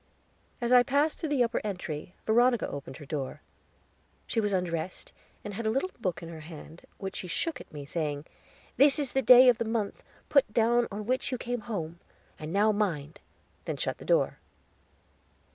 As I passed through the upper entry, Veronica opened her door. She was undressed, and had a little book in her hand, which she shook at me, saying, "There is the day of the month put down on which you came home; and now mind," then shut the door.